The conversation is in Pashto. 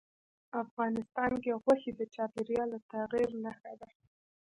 افغانستان کې غوښې د چاپېریال د تغیر نښه ده.